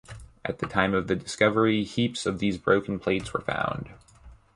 At the time of the discovery, heaps of these broken plates were found.